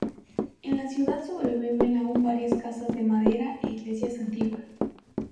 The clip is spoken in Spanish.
En la ciudad sobreviven aún varias casas de madera e iglesias antiguas.